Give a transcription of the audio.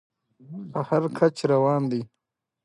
په هر کچ روان دى.